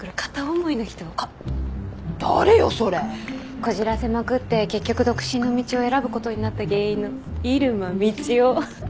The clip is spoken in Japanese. こじらせまくって結局独身の道を選ぶことになった原因の入間みちお。